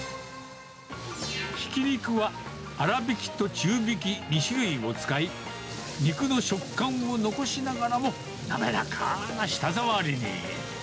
ひき肉は粗びきと中びき２種類を使い、肉の食感を残しながらも、滑らかな舌触りに。